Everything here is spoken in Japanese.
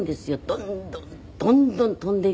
どんどんどんどん飛んで行くんですよ。